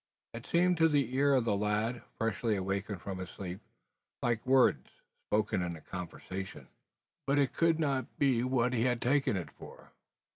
It seemed to the ear of the lad freshly awakened from his sleep like words spoken in conversation. But it could not be what he had taken it for!